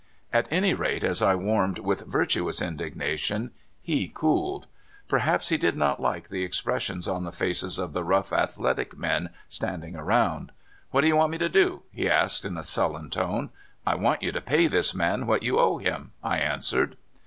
At any rate, as I warmed with virtuous indignation, he cooled. Perhaps he did not like the expressions on the faces of the rough, athletic men standing around. *' What do you want me to do? " he asked in a sullen tone. *' I want you to pay this man what you owe him," I answered.